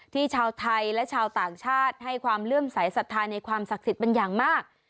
ชาวไทยและชาวต่างชาติให้ความเลื่อมสายศรัทธาในความศักดิ์สิทธิ์เป็นอย่างมาก